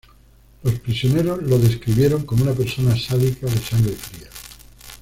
Los prisioneros lo describieron como una persona sádica de sangre fría.